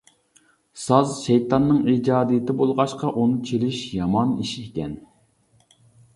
ساز شەيتاننىڭ ئىجادىيىتى بولغاچقا، ئۇنى چېلىش يامان ئىش ئىكەن.